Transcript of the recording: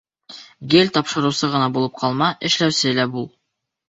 Гел тапшырыусы ғына булып ҡалма, эшләүсе лә бул.